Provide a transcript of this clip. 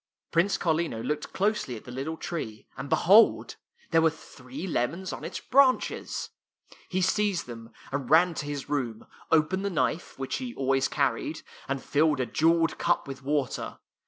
Prince Carlino looked closely at the little tree, and behold ! there were three lemons on its branches. He seized them and ran to his room, opened the knife, which he always car ried, and filled a jeweled cup with water.